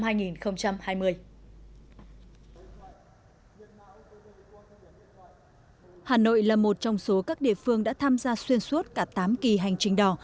hà nội là một trong số các địa phương đã tham gia xuyên suốt cả tám kỳ hành trình đỏ